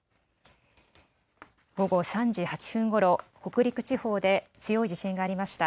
午後３時８分ごろ北陸地方で強い地震がありました。